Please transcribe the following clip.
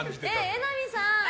榎並さん！